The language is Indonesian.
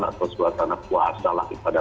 atau suasana kuasa lagi pada